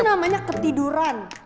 itu namanya ketiduran